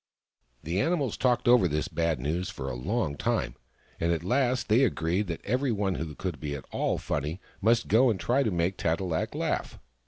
The animals talked over this bad news for a long time, and at last they agreed that every one who could be at all funny must go and try to make Tat e lak laugh.